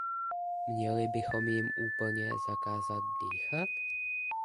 Měli bychom jim úplně zakázat dýchat?